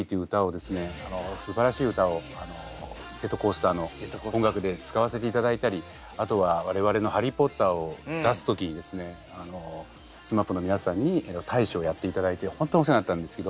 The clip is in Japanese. すばらしい歌をジェットコースターの音楽で使わせていただいたりあとは我々の「ハリー・ポッター」を出す時にですねＳＭＡＰの皆さんに大使をやっていただいて本当お世話になったんですけど。